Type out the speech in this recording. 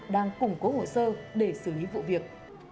đang củng cố hồ sơ để xử lý vụ việc